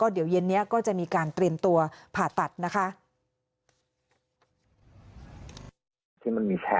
เดี๋ยวเย็นนี้ก็จะมีการเตรียมตัวผ่าตัดนะคะ